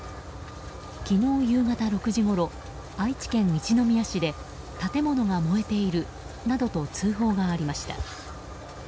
昨日夕方６時ごろ愛知県一宮市で建物が燃えているなどと通報がありました。